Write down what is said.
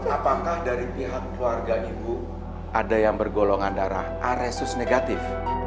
apakah dari pihak keluarga ibu ada yang bergolongan darah aresus negatif